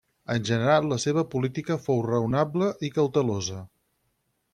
En general la seva política fou raonables i cautelosa.